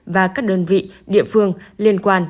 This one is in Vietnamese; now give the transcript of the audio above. và các đơn vị địa phương liên quan